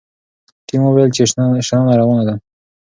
ټیم وویل چې شننه روانه ده.